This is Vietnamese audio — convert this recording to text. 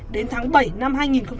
đến tháng bảy năm hai nghìn hai mươi ba